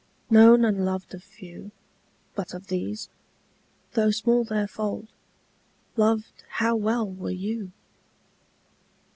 Known and loved of few, But of these, though small their fold, Loved how well were you!